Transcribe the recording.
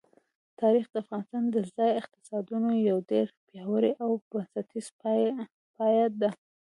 تاریخ د افغانستان د ځایي اقتصادونو یو ډېر پیاوړی او بنسټیز پایایه دی.